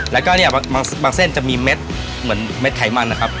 แล้วก็เนี่ยบางเส้นจะมีเม็ดเหมือนเม็ดไขมันนะครับ